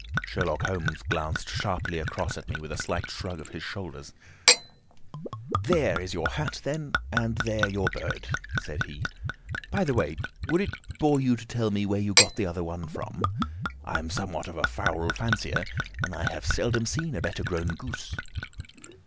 Sherlock Holmes glanced sharply across at me with a slight shrug of his shoulders. "There is your hat, then, and there your bird," said he. "By the way, would it bore you to tell me where you got the other one from? I am somewhat of a fowl fancier, and I have seldom seen a better grown goose."